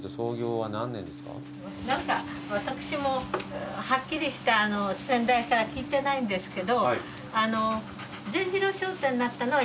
何か私もはっきりした先代から聞いてないんですけど。